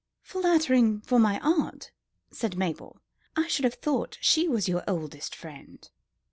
"Flattering for my aunt," said Mabel. "I should have thought she was your oldest friend."